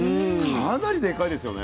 かなりデカいですよね。